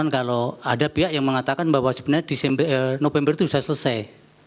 kalau ada pihak yang mengatakan bahwa sebenarnya di november itu sudah selesai